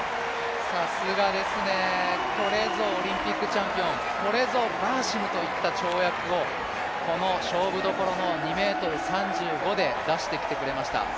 さすがですね、これぞオリンピックチャンピオン、これぞバーシムといった跳躍をこの勝負どころの２ｍ３５で出してきてくれました。